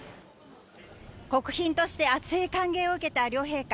国賓として厚い歓迎を受けた両陛下。